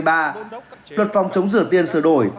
luật phòng chống giữa tiên sửa đổi